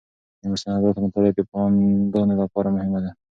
د مستنداتو مطالعه د پوهاندانو لپاره مهمه ده.